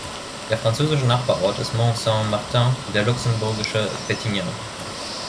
Der französische Nachbarort ist Mont-Saint-Martin, der luxemburgische Petingen.